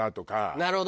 なるほど。